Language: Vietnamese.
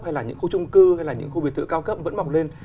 hay là những khu trung cư hay là những khu biệt thự cao cấp vẫn mọc lên